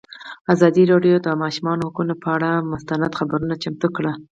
ازادي راډیو د د ماشومانو حقونه پر اړه مستند خپرونه چمتو کړې.